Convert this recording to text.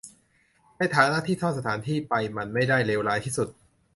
ในฐานะที่ซ่อนสถานที่ไปมันไม่ได้เลวร้ายที่สุด